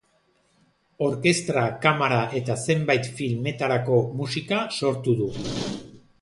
Orkestra, kamara eta zenbait filmetarako musika sortu du.